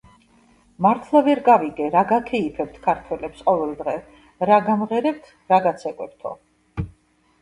მართლა ვერ გავიგე, რა გაქეიფებთ ქართველებს ყოველდღე, რა გამღერებთ, რა გაცეკვებთო.